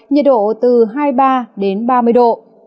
nhiệt độ từ hai mươi ba đến hai mươi tám độ